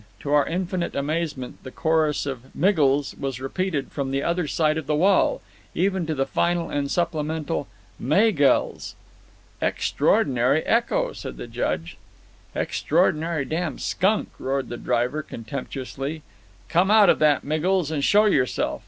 To our infinite amazement the chorus of "Miggles" was repeated from the other side of the wall, even to the final and supplemental "Maygells." "Extraordinary echo," said the Judge. "Extraordinary damned skunk!" roared the driver, contemptuously. "Come out of that, Miggles, and show yourself!